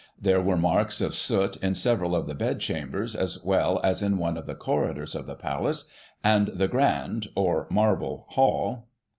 There were marks of soot in several of the bedchambers^ as well as in one of the corridors of the Palace, and the Grand (or Marble) hall.